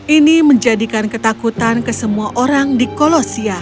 ini menjadikan ketakutan ke semua orang di kolosia